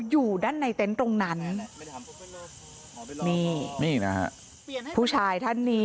อยู่ด้านในเต็นต์ตรงนั้นนี่นี่นะฮะผู้ชายท่านนี้